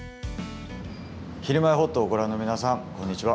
「ひるまえほっと」をご覧の皆さん、こんにちは。